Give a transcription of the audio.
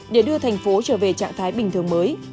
để đưa thành phố trở về trạng thái bình thường mới